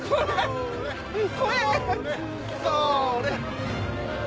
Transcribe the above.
それ！